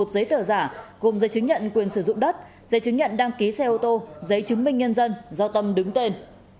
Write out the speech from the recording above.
một giấy tờ giả gồm giấy chứng nhận quyền sử dụng đất giấy chứng nhận đăng ký xe ô tô giấy chứng minh nhân dân do tâm đứng tên